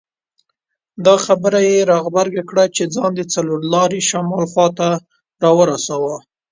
دا خبره یې را غبرګه کړه چې ځان د څلور لارې شمال خواته راورساوه.